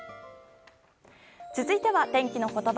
続いては、天気のことば。